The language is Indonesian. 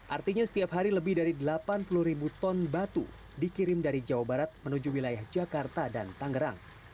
artinya setiap hari lebih dari delapan puluh ribu ton batu dikirim dari jawa barat menuju wilayah jakarta dan tangerang